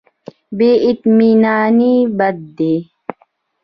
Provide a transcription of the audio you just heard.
بې اطمیناني بد دی.